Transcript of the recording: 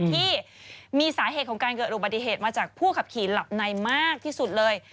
ที่มีสาเหตุของการเกิดอุบัติเหตุมาจากผู้ขับขี่หลับในมากที่สุดเลย